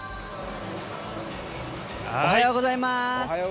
おはようございます。